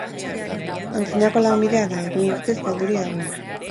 Antzinako lanbidea da, egun guztiz galdurik dagoena.